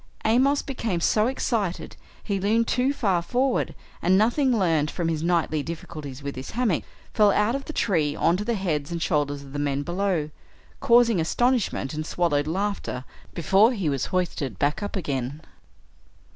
Amos became so excited he leaned too far forward, and, nothing learned from his nightly difficulties with his hammock, fell out of the tree onto the heads and shoulders of the men below, causing astonishment and swallowed laughter before he was hoisted back up again.